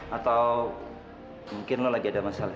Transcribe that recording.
atau mungkin lo lagi ada masalah